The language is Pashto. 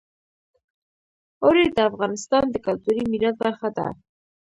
اوړي د افغانستان د کلتوري میراث برخه ده.